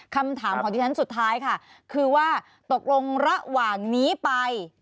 คำถามของที่ฉันสุดท้ายค่ะคือว่าตกลงระหว่างนี้ไป